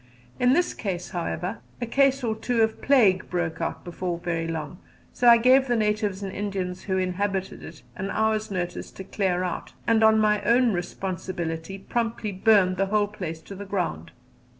In this, however, a case or two of plague broke out before very long, so I gave the natives and Indians who inhabited it an hour's notice to clear out, and on my own responsibility promptly burned the whole place to the ground.